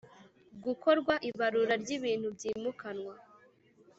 Gukorwa ibarura ry ibintu byimukanwa